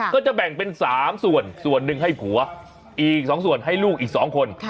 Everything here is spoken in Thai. ก็จะแบ่งเป็น๓ส่วนส่วนหนึ่งให้ผัวอีก๒ส่วนให้ลูกอีก๒คน